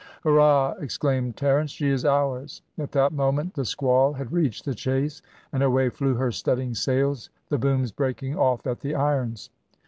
"Hurrah!" exclaimed Terence, "she is ours!" At that moment the squall had reached the chase, and away flew her studding sails, the booms breaking off at the irons.